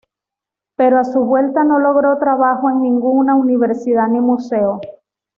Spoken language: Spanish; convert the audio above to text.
Pero a su vuelta no logró trabajo en ninguna universidad ni museo.